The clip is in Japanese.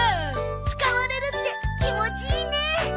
使われるって気持ちいいね。